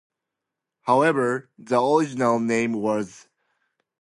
However the original name was re-established the following year.